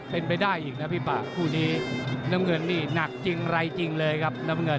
เป็นไปได้อีกนะพี่ป่าคู่นี้น้ำเงินนี่หนักจริงไรจริงเลยครับน้ำเงิน